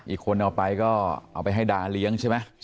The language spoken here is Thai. อีกคนเอาไปก็เอาไปให้ดาเลี้ยงใช่ไหม